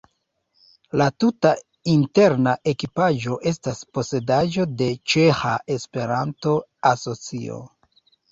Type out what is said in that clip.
La tuta interna ekipaĵo estas posedaĵo de Ĉeĥa Esperanto-Asocio.